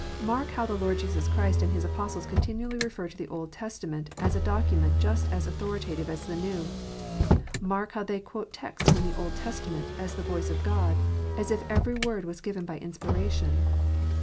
Mark how the Lord Jesus Christ and His Apostles continually refer to the Old Testament, as a document just as authoritative as the New. Mark how they quote texts from the Old Testament, as the voice of God, as if every word was given by inspiration.